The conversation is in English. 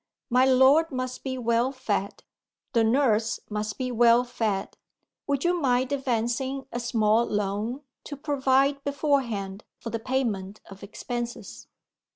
My lord must be well fed; the nurse must be well fed. Would you mind advancing a small loan, to provide beforehand for the payment of expenses?"